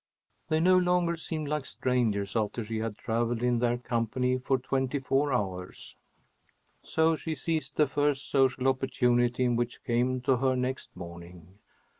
They no longer seemed like strangers after she had travelled in their company for twenty four hours. So she seized the first social opportunity which came to her next morning.